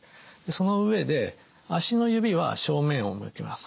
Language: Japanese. その上で足の指は正面を向けます。